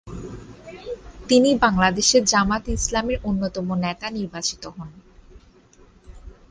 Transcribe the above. তিনি বাংলাদেশ জামায়াতে ইসলামীর অন্যতম নেতা নির্বাচিত হন।